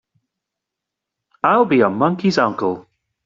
I'll be a monkey's uncle!